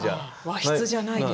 和室じゃないですね。